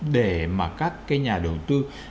để mà các cái nhà đầu tư